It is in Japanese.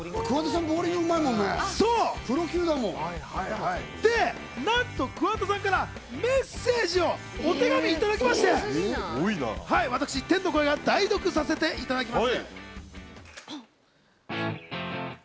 桑田さん、ボウリングうまいなんと桑田さんからメッセージを、お手紙をいただきまして、私、天の声が代読させていただきます。